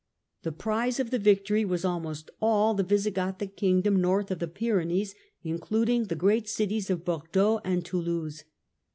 The prize of the victory was almost all the Visigothic kingdom north of the Pyrenees, including the great cities of Bordeaux and Toulouse.